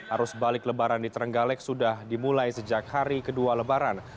arus balik lebaran di trenggalek sudah dimulai sejak hari kedua lebaran